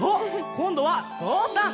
こんどはぞうさん！